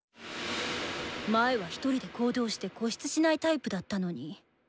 前は一人で行動して固執しないタイプだったのに。